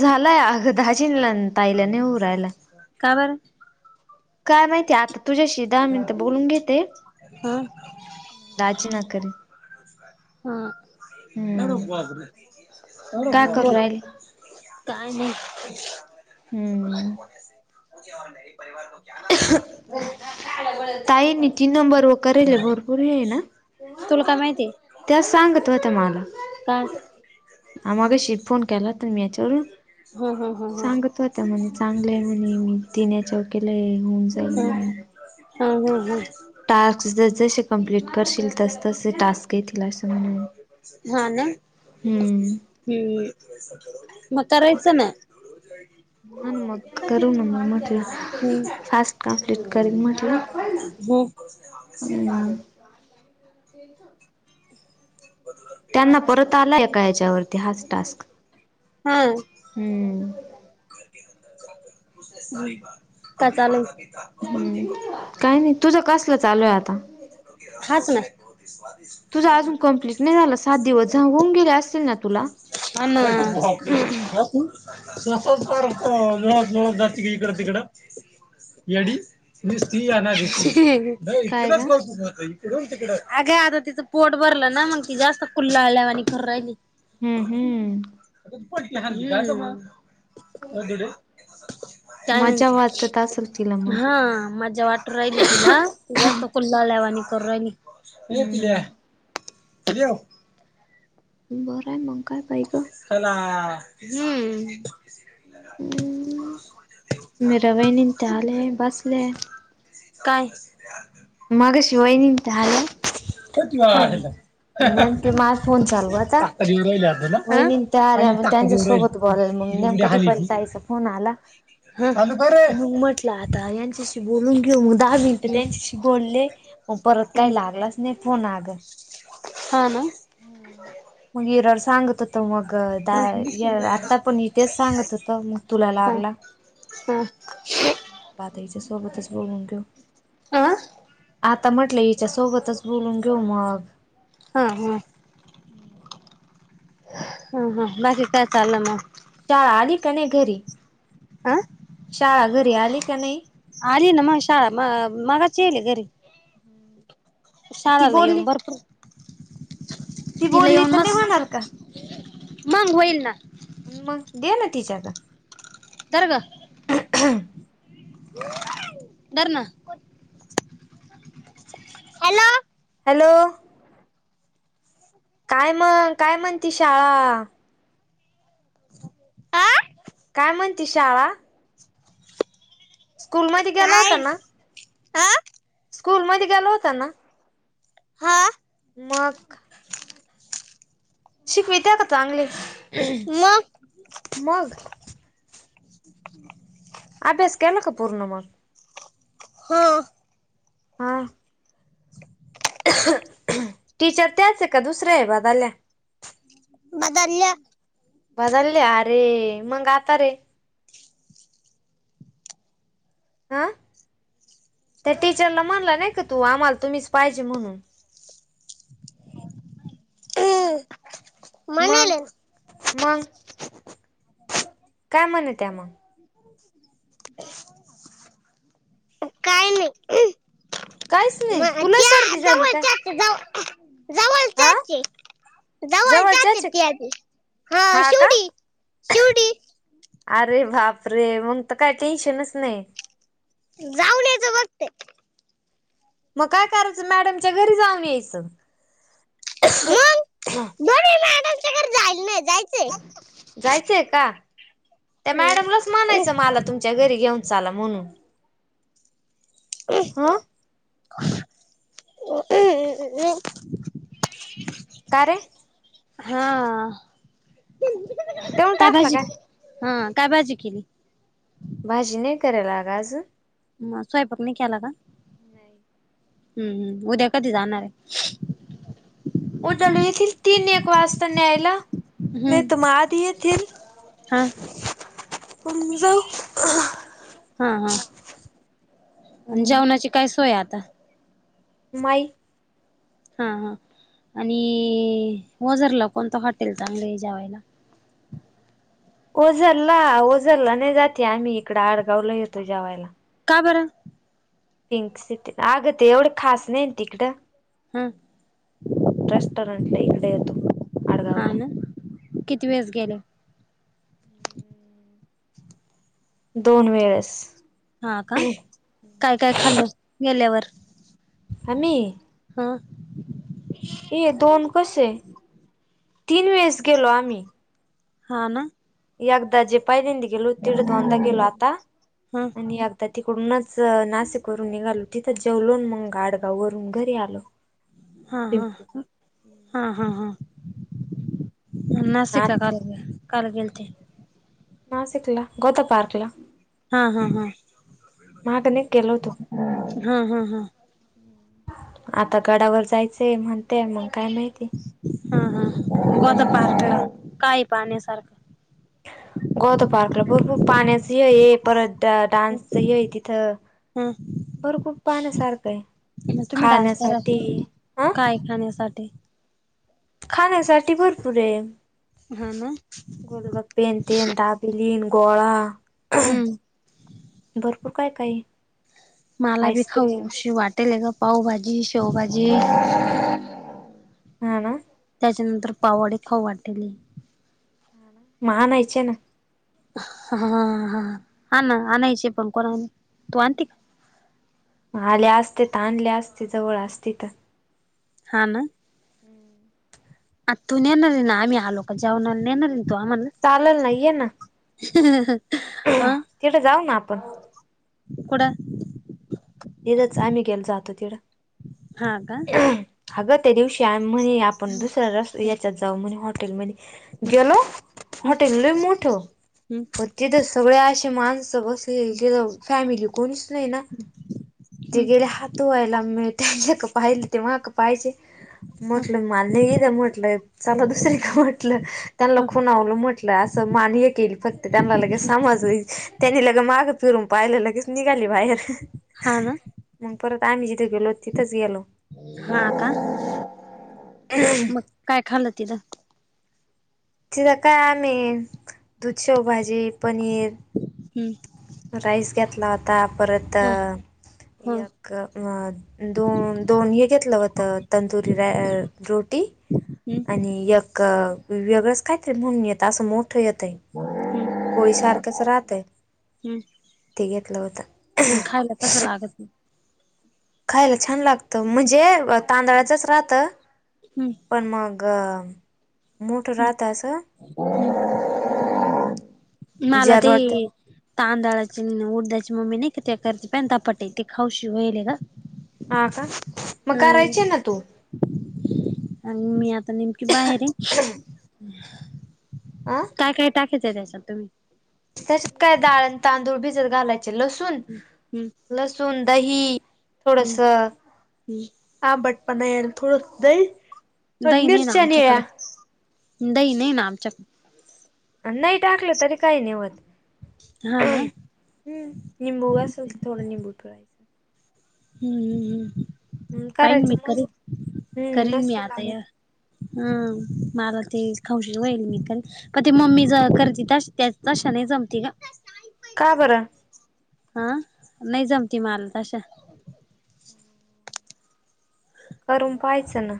झालाय अगं दहाजिनला ताईला नाही उऊ राहायला का बर काय माहितीय आता तुझ्याशी द मि तर बोलून घेते हा दाजी ना करे हम या हम्म बग काय करू रे राहिली काय नाही हो हम्म ताईनी तीन नंबर व केल भरपूर आहे ना तुला काय माहिती त्या सांगत होत मला पा तेच आमगशी फोन केला तर मी याच्यावरून हो ह हो सांगत होता म्हणे चांगलंय म्हणे मी तण्या चौकीला आहे होऊन जाईल ह म्ह हा हा हा टास्कस जसं जसे कंप्लिट करशील जसे जसे टास्क येथील तसा हा ना हम्म मग करायचं ना हा ना मग करून हम् आज कम्प्लीट करू हो हम् त्यांना परत आलाय का हच्यावरती हाच टास्क हम्म काय चालू आहे मग काही नाही तुझं कसलं चालू आहे आता हाच ना तुझा अजून कंप्लीट नाही झाला सात दिवस जा होऊन गेले असतील ना तुला ह ना तु असच करत जा मिळ जात इकड तिकड येडी निस्ती त आण काय ग? अगे आता तिचं पोट भरलं ना मग ती जास्त कुल्ला आल्यावा आणि खर राहिली हम्म हम्म काय मामा काय मजा म्हणती वाटत असेल तिला मग हा मज्जा वाट राहिली तिला जास्त कुललायचानी करून राहिली हम्म. बरं आहे मग काय पैक हला हम्म मरवईणी त्या आले बसले काय मगाशी वहिनींच्या आल्या [unintelligible] न ते माझ फोन चालू आता हा वहिनी त्या आल्या म त्यांच्या सोबत बल मग नेम कधी पहिले ताईचा फो आला ह अर मग म्हटलं आता यांच्याशी बोलून घेऊ मग दहा मिनटं त्यांच्याशी बोल ले परत काही लागलाच नाही फोन अग हा ना ह मग युवराला सांगत होतो मग ग द आता पण इथेच सांगत होत मग तुला हा लागला हा आता हीच्या सोबतच बोलून घो आं आता म्हटलं हीच्या सोबतच बोलून घेऊ मग हा हा हम्म ह हा बाकी काय चालं मग शाळा आली का नाही घरी आ शाळा घरी आली का नाही आली ना मग शाळा मग मगाशी आलीस घरी हम्म शाळेला येऊन भरपूर तिला बोलली येऊन तर नाही मस् होणार का? मग होईल ना मग दे ना तिच्या हातात धर ग धर ना. हॅलो हॅलो काय मग काय म्हणती शाळा. आं काय म्हणती शाळा. स्कूलमध्ये गेला होता ना. अ स्कूलमध्ये गेला होता ना. हा मग शिकवित्या का चांगले. मग मग अभ्यास केला का पूर्ण मग. हो हां टीचर त्याच आहे का दुसर्या आहे बदलल्या. बदलल्या बदललेल्या अरे मग आता रे अ त्या टीचरला म्हणलं नाही का तू आम्हाला तुम्हीच पाहिजे म्हणून. [unintelligible] मग मग काय म्हणत्या मग काही नाही. काहीच नाही मग तुला त्या जवळच्या जव अ जवळच्याच आहेत त्या बी. हा शिवडी शिवडी अरे बाप रे मग त काय टेन्शनच नाही. जाऊन याचं बघतय. मग काय करायचं मॅडमच्या घरी जाऊन यायचं. मग दोन्ही मॅडमच्या घरी जायल नाही जायचंय. जायचंय का त्या मॅडमलाच म्हणायचं मला तुमच्या घरी घेऊन चाला म्हणून. [unintelligible] ह [unintelligible] का रे हा देऊन काय टाकला भाजी काय हा काय भाजी केली. भाजी नाही करेल आग आजुन. म स्वयंपाक नही केला का? नाही. हम्म हम्म उद्या कधी जाणार आहे. उद्याला येथील तीन एक वाजता न्यायला. नाहीतर हम्म मग आधि येतील. हा हा हा [unintelligible] हम्म, जेवणाची काय सोय आहे आता. माई हा हा आणि ओझरला कोणतं हॉटेल चांगल आहे जेवायला. ओझरला ओझरला नाही जाती आम्ही इकड आडगावला येतो जेवायला. का बर पिंक सिटी अगं ते एवढं खास नाही तिकडं हा ह रेस्टॉरंट ला इकडे येतो आडगाव हा ला ना किती वेळेस गेले दोन वेळेस हा का काय काय खालं गेल्यावर आम्ही हां ये दोन कसे आहे तीन वेळेस गेलो आम्ही हा ना एकदा जेपाहिलेंद गेलो तिड धोंदा गेलो आता हा आणि तर तिकडूनच नाशिक वून निघालो तिथं जेवलो मग गाडगाव वरून घरी आलो हा हा पिंपरी हा हा हा न नासिक आता कारल कारल गेलतीन नाशिकला गोता पार्कला हा हा हा मगने केल होतो हा हा हा आता गडावर जायचंय म्हणते मग काय माहिती हा हा गत सव्वीस पारख काही पाण्या सारखं गोत पार्कला पू पाण्याच परत डान्सच हे तिथं भरपूर पान आहे सारखं आहे हम् तुम्ही डान्स करा खाण्यासाठी हं काय खाण्यासाठी खाण्यासाठी भरपूर आहे हा ना गोलगप्पेन तन दाब बलीन गळा हम्म भरपूर काय काय मला बी खाऊशी वाटेल आहे ग पावभाजी शेवभाजी हा ना त्याच्यानंतर पावडी खाऊ वाटेली मानयचे ना हा हा हा ना आणायचे पण कोणा तू आणते का आल्या असते तर आणल्या असते जवळ असते तर हा ना हम्म आ तू नेणार आहे ना आम्ही आलोक जाऊन नेणार आहे ना तू आम्हाला चालल नाहीये ना तथं जाऊ ना आपण कड तथच आम्ही गेला जातो तिडं हा का हम्म अगं त्या दिवशी म्हण आपण दुसऱ्या रस् याच्यात जाऊ म्हणे हॉटेलमध्ये गेलो हॉटेल ल मोठो हम्म तिथं सगळे असे माणसं बसले तथ फॅमिली कोणीच नाही ना ते हम्म गेले हातो ला मट पाहि तेव क पायचे हम्म म्हटलं मान्य ग म्हटलंय चला दुसर का म्हटलं त्यांना हम्म खुून आवलं म्हटलं अस मान्य केली फक्त त्यांना लगे समज त्यांनी लगे माग फिरून पाहिले लगेच निघाली बाहेर हा ना मग परत आम्ही जिथे गेलो तिथंच गेलो हा का हम् मग काय खाल्लं तिलां तिथं काय आम्ही दूध शेवभाजी पनीर हम्म. राईस घेतला होता परत ह ह दोन दोन हे घेतलं होत तंदुरी रोटी हम्म आणि एक वेगळंच खहीते म्हणून येत असं मोठं येतय. हम्म. होळीसारखंच राहतय ते घेतलं होत. तसं लागत खायला छान लागत म्हणजे तांदळाचच राहत. हम्म पण मग मोठं राहत हम्म असं. मला जर ते वाटतं तांदळाची उडद्याची मम्मी नाही क ते करते पेंतापटे ते खाऊशी व्हायले ग. हा का मग करायचे ना तू. आणि मी आता नेमकी बाहेर आहे. आं काय काय टाकायचं त्याच्यात तुम्ही? तस काय दाळण तांदूळ भिजत घालायचे लसूण हम्म लसु न दही हम्म थोडस हम्म आंबटपणा यायला थोड दही पण दही नाही ना मिरच्या आमच्याकड, निळ्या दही नाही ना आमचयाकड. नाही टाकलं तरी काही नाही होत. हा ना. हम्म निंबू असल थोडं निंबू पिळायचं. हम्म हम्म हम्म पाहिन करायचं मी मस्त करीन हम्म करीलन मी मस्त आता या लागत. हम मला ते खाऊशी होईल मी का. कधी मम्मी ज करते त्याच तशा नाही जमती ग. का बरं? हा नाही जमती माल तशा. करून पाहायचं ना.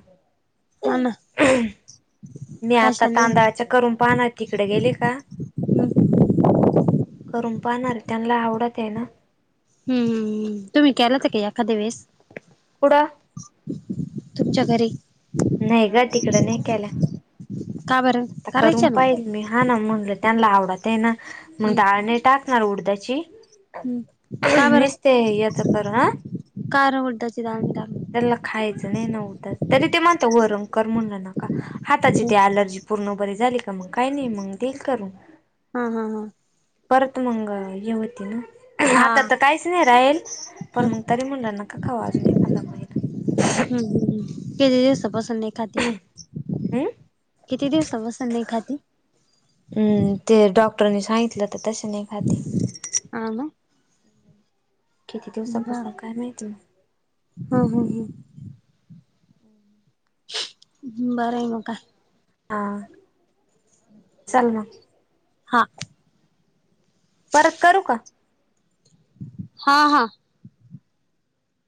हा ना मी आता तशा नाही तांदळाच्या करून पाहना तिकडे गेले का, करून पाहणार त्यांना आवडते ना. हम्म हम्म हम्म तुम्ही केलात का एखाद्या वेळेस? कुड तुमच्या घरी. नाही ग तिकड नाही केला. का बरं आता करून करायच्या ना पाहिल मी हा ना म्हटलं त्यांना आवडते न मग हम्म डाळने टाक त उडदाची. हम्म का बरं नुसते याच करू हा कार उडदाची डाळ त्याला खायचं नाही नव्हत तरी ते म्हणत वरन म्हणना का हाताची ते आलर्जी पूर्ण बरी झाली का मग काही नाही मग देईल करून. हा हा हा परत मंग यवती ना. हा आता तर काहीच नाही राहील ह पण मग तरी म्हणलं नका खाऊ अजून एखा माहि ना. ह हम्म ह. किती दिवसा पासून नाही खाते हम्म किती दिवसा पासून नाही खाते? हम्म ते डॉक्टरनी सांगितलं तर तश नाही खाते. आ ना. किती दिवसा पासून काय माहीती. हा हा हा. बरं आहे म का हा चल मग. हा परत करू का? हा हा.